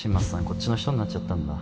こっちの人になっちゃったんだ